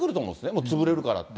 もう潰れるからって。